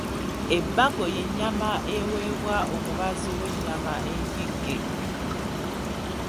Ebbago y’ennyama eweebwa omubaazi w’ennyama enjigge.